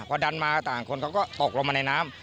พอดันมาต่างคนเขาก็ตกลงมาในน้ำ